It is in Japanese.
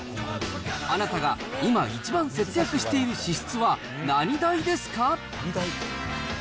あなたが今一番節約している支出は何代ですか？